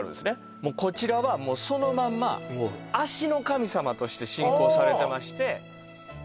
もうこちらはもうそのまんま足の神様として信仰されてましてああ